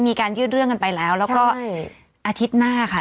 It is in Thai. มีการยื่นเรื่องกันไปแล้วแล้วก็อาทิตย์หน้าค่ะ